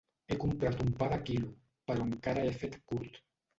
He comprat un pa de quilo, però encara he fet curt.